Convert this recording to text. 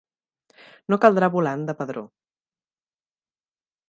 No caldrà volant de padró.